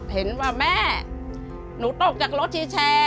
เห็นว่าแม่หนูตกจากรถที่แชร์